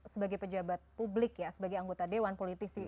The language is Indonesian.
sebagai pejabat publik ya sebagai anggota dewan politisi